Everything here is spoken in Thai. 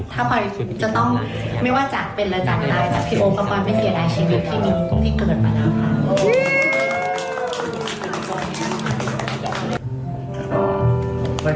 ขอบคุณครับ